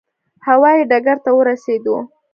هوا یي ډګر ته ورسېدو.